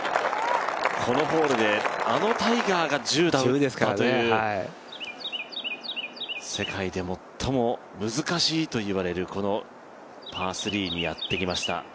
このホールで、あのタイガーが１０打を打ったという、世界で最も難しいといわれるこのパー３にやってきました。